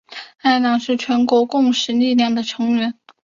该党是全国共识力量的成员。